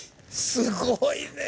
すごいね。